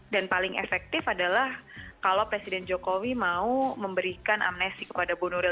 dan paling efektif adalah kalau presiden jokowi mau memberikan amnesti